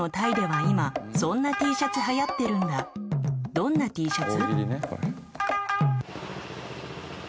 どんなＴシャツ？